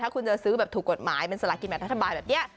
ถ้าคุณจะซื้อถูกกฎหมายเป็นสละกินแบบธรรมานแบบเนี้ย